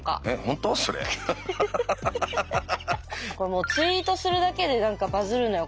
もうツイートするだけで何かバズるのよ